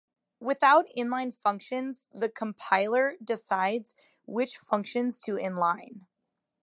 Without inline functions, the compiler decides which functions to inline.